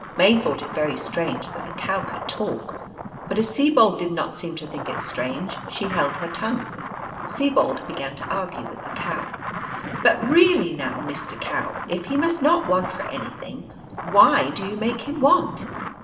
May thought it very strange that the Cow could talk ; :||i but as Sibold did not seem to think it strange, she held ii her tongue. Sibold began to argue with the Cow :" But really now, Mister Cow, if he must not want for anything, why do you make him want